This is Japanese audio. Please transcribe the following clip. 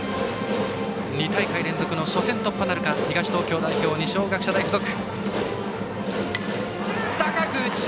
２大会連続の初戦突破なるか東東京代表、二松学舎大付属。